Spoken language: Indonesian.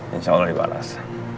insya allah dibalas